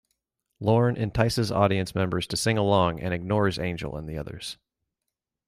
Lorne entices audience members to sing along and ignores Angel and the others.